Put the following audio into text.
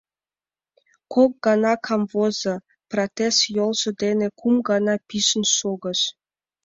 Кок гана камвозо, протез йолжо дене кум гана пижын шогыш.